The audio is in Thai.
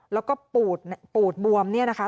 แล้วก็ปูดบวมเนี่ยนะคะ